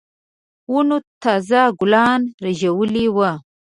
ونو تازه ګلان رېژولي وو.